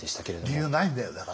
理由ないんだよだから。